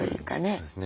そうですね。